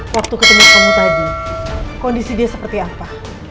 waktu ketemu kamu tadi kondisi dia seperti apa